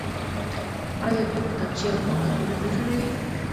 آیا دوی کتابچې او پاکټونه نه جوړوي؟